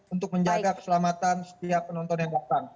untuk menjaga keselamatan setiap penonton yang datang